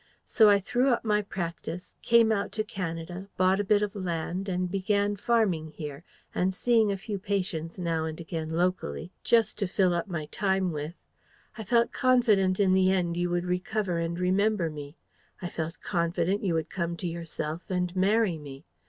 So I threw up my practice, came out to Canada, bought a bit of land, and began farming here, and seeing a few patients now and again locally, just to fill up my time with. I felt confident in the end you would recover and remember me. I felt confident you would come to yourself and marry me.